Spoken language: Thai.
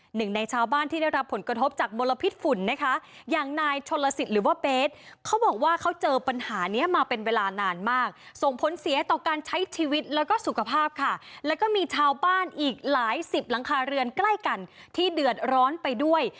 หนึ่งในชาวบ้านที่ได้รับผลกระทบจากมลพิษฝุ่นนะคะอย่างนายชนลสิทธิ์หรือว่าเบสเขาบอกว่าเขาเจอปัญหานี้มาเป็นเวลานานมากส่งผลเสียต่อการใช้ชีวิตแล้วก็สุขภาพค่ะแล้วก็มีชาวบ้านอีกหลายสิบหลังคาเรือนใกล้กันที่เดือดร้อนไปด้วย